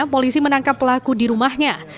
polisi menangkap pelaku di rumahnya